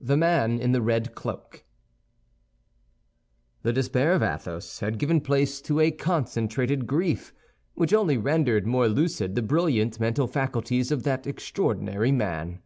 THE MAN IN THE RED CLOAK The despair of Athos had given place to a concentrated grief which only rendered more lucid the brilliant mental faculties of that extraordinary man.